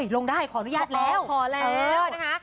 ลงได้ขออนุญาตแล้วขอแล้วนะคะ